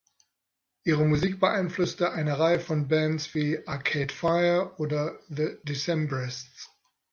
Ihre Musik beeinflusste eine Reihe von Bands wie Arcade Fire oder The Decemberists.